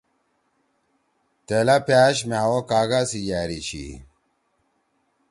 تیلا پأش مھأوو کاگا سی یأری چھی